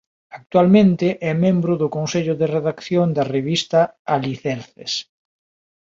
Actualmente é membro do Consello de Redacción da revista "Alicerces".